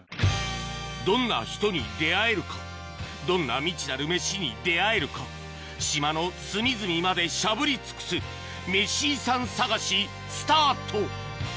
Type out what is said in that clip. どんな人に出会えるかどんな未知なるメシに出会えるか島の隅々までしゃぶり尽くすメシ遺産探しスタート